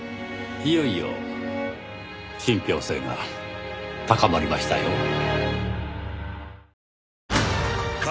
いよいよ信憑性が高まりましたよ。